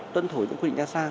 tuân thủ những quy định ra sao